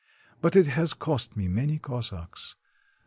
But it has cost me many Cossacks.